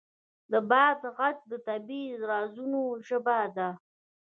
د باد غږ د طبیعت د رازونو ژبه ده.